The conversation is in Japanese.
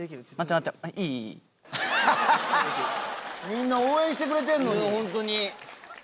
みんな応援してくれてんのに。